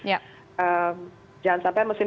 jangan sampai mesin mesin terbentuk